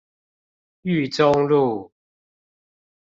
裕忠路